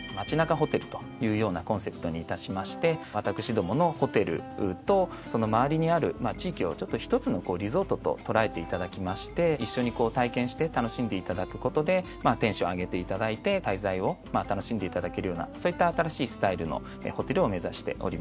ホテルというようなコンセプトにいたしまして私どものホテルとその周りにある地域を１つのリゾートと捉えていただきまして一緒に体験して楽しんでいただくことでテンション上げていただいて滞在を楽しんでいただけるようなそういった新しいスタイルのホテルを目指しております。